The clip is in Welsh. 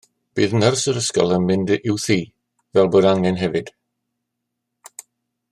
Bydd nyrs ysgol yn mynd i'w thŷ, fel bo angen hefyd